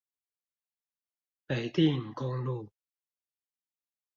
北碇公路